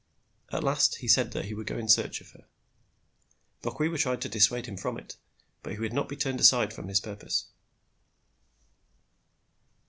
At last he said that he would go in search of her. Bokwewa tried to dissuade him from it; but he would not be turned aside from his purpose.